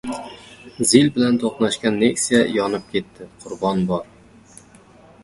“Zil” bilan to‘qnashgan Nexia yonib ketdi. Qurbon bor